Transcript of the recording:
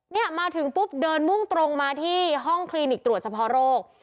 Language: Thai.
เนี่ยมาถึงปุ๊บเดินมุ่งตรงมาที่ห้องคลินิกตรวจเฉพาะโรค